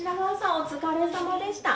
お疲れさまでした。